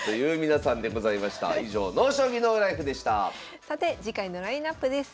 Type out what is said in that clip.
さて次回のラインナップです。